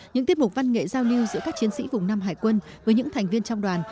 những tiết mục văn nghệ giao lưu giữa các chiến sĩ vùng năm hải quân với những thành viên trong đoàn